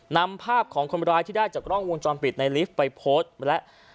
นำภาพของคนร้ายที่ได้จากกล้องวงจรปิดในลิฟต์ไปโพสต์และ